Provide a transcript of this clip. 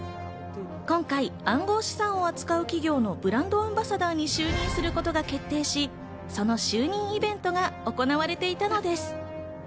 今回、暗号資産を扱う企業のブランドアンバサダーに就任することが決定し、その就任イベントが行われていたのです。